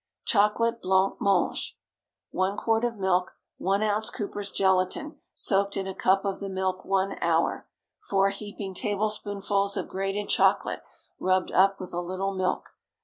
CHOCOLATE BLANC MANGE. 1 quart of milk. 1 oz. Cooper's gelatine, soaked in a cup of the milk one hour. 4 heaping tablespoonfuls of grated chocolate, rubbed up with a little milk.